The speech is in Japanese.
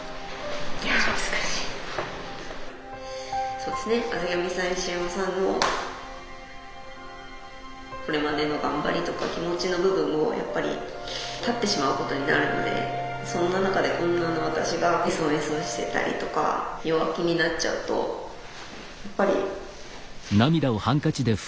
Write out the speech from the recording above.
そうですね畔上さん石山さんのこれまでの頑張りとか気持ちの部分をやっぱり断ってしまうことになるのでそんな中で女の私がメソメソしてたりとか弱気になっちゃうとやっぱり。